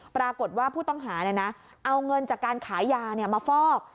ปรากฏว่าผู้ต้องหาเอาเงินจากการขายยามาฟอก